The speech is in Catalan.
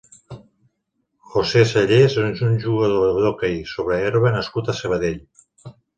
José Sallés és un jugador d'hoquei sobre herba nascut a Sabadell.